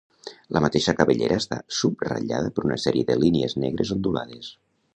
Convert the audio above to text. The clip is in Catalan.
La mateixa cabellera està subratllada per una sèrie de línies negres ondulades.